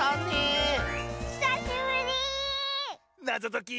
なぞとき。